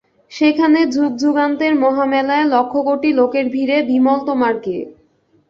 সেখানে যুগযুগান্তের মহামেলায় লক্ষকোটি লোকের ভিড়ে বিমল তোমার কে?